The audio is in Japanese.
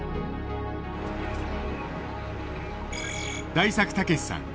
大作毅さん。